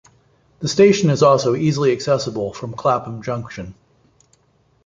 The station is also easily accessible from Clapham junction.